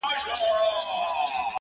هغې بۀ ما بلاندي د خپل سر لوپټه وهله,